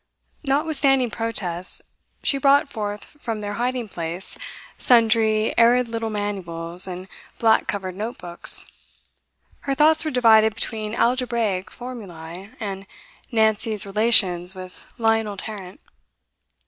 Notwithstanding protests, she brought forth from their hiding place sundry arid little manuals and black covered notebooks; her thoughts were divided between algebraic formulae and Nancy's relations with Lionel Tarrant.